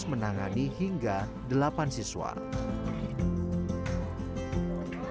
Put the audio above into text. abang lagi tangga ya banyak banget